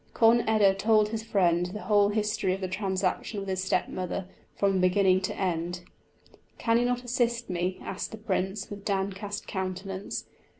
Conn eda told his friend the whole history of the transaction with his stepmother from the beginning to end. "Can you not assist me?" asked the Prince, with downcast countenance.